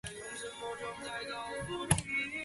蒙哥马利县是美国宾夕法尼亚州东南部的一个县。